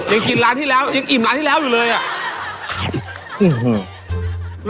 ยังกินร้านที่แล้วยังอิ่มร้านที่แล้วอยู่เลยอ่ะ